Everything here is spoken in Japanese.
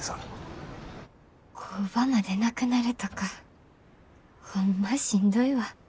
工場までなくなるとかホンマしんどいわ。